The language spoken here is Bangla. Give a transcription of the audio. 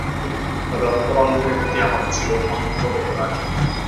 তবে অন্তরঙ্গদের প্রতি আমার ছিল অন্ধ অনুরাগ।